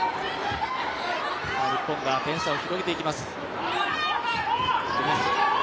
日本が点差を広げていきます。